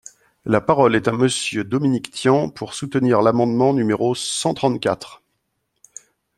La parole est à Monsieur Dominique Tian, pour soutenir l’amendement numéro cent trente-quatre.